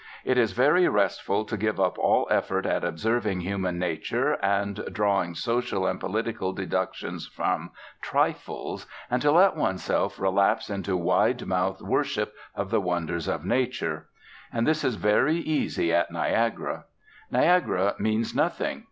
It is very restful to give up all effort at observing human nature and drawing social and political deductions from trifles, and to let oneself relapse into wide mouthed worship of the wonders of nature. And this is very easy at Niagara. Niagara means nothing.